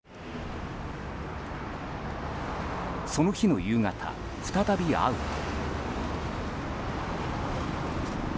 その日の夕方、再び会うと。